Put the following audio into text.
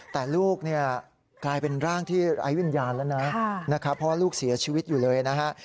แต่ลูกเนี่ยกลายเป็นร่างที่ไร้วิญญาณแล้วนะนะครับเพราะว่าลูกเสียชีวิตอยู่เลยนะฮะ